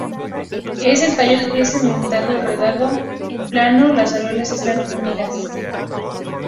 El tallo es segmentado, redondeado o plano, las areolas están hundidas.